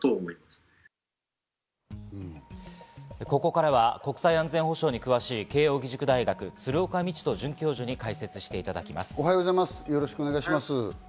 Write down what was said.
ここからは国際安全保障に詳しい慶應義塾大学、鶴岡路人准教授に解説していただきます。